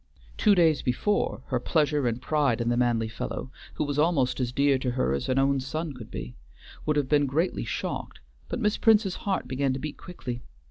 Two days before, her pleasure and pride in the manly fellow, who was almost as dear to her as an own son could be, would have been greatly shocked, but Miss Prince's heart began to beat quickly.